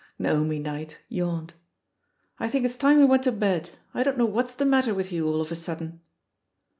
iNaomi Knight yawned* "I think it's time we (Went to bed. I don't know what's the matter ynth you all of a sudden."